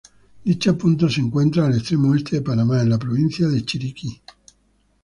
Dicha punta se encuentra al extremo oeste de Panamá, en la provincia de Chiriquí.